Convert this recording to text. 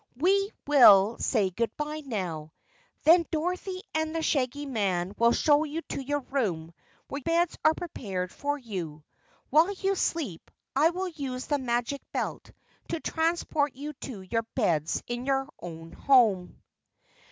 "We will say goodbye now. Then Dorothy and the Shaggy Man will show you to your room where beds are prepared for you. While you sleep, I will use the Magic Belt to transport you to your beds in your own home."